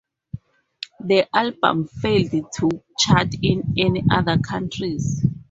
The album failed to chart in any other countries.